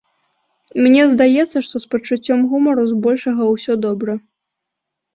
Мне здаецца, што з пачуццём гумару збольшага ўсё добра.